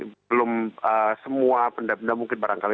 belum semua benda benda mungkin barangkali